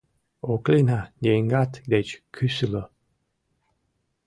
— Оклина еҥгат деч кӱсылӧ.